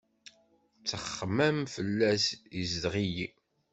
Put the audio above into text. Ttaxmam fell-as izdeɣ-iyi.